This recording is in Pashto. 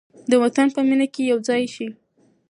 د وطن په مینه کې یو ځای شئ.